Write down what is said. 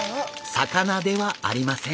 魚ではありません。